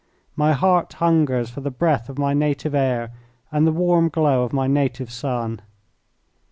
My heart hungers for the breath of my native air and the warm glow of my native sun.